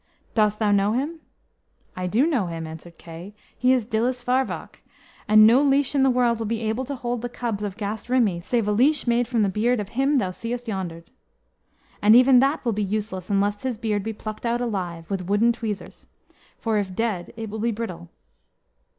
"Dost thou know him?" "I do know him," answered Kay; "he is Dillus Varwarc, and no leash in the world will be able to hold the cubs of Gast Rhymi, save a leash made from the beard of him thou seest yonder. And even that will be useless unless his beard be plucked out alive, with wooden tweezers; for if dead it will be brittle."